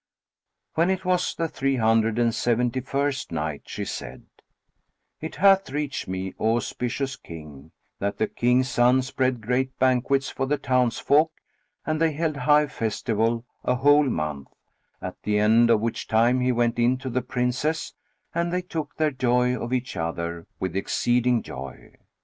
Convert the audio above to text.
When it was the Three Hundred and Seventy first Night, She said, It hath reached me, O auspicious King, that the King's son spread great banquets for the towns folk and they held high festival a whole month, at the end of which time he went in to the Princess and they took their joy of each other with exceeding joy.